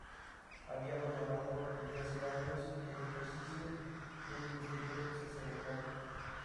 Había abandonado, desde hacía años, el ejercicio del ministerio sacerdotal.